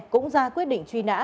cũng ra quyết định truy nã